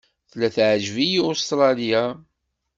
Tella teɛǧeb-iyi Ustṛalya.